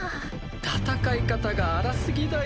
戦い方が荒すぎだよ。